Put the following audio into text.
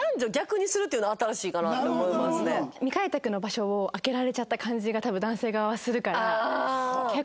未開拓の場所を開けられちゃった感じが多分男性側はするから結構。